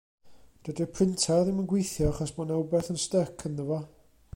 Dydi'r printar ddim yn gweithio achos bod 'na rywbath yn styc ynddo fo.